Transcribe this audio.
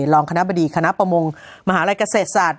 รองคณะบดีคณะประมงมหาลัยเกษตรศาสต